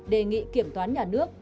đề nghị kiểm toán nhà nước